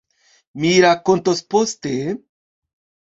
Mi rakontos poste...